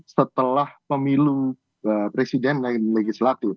setelah pemilu presiden dan legislatif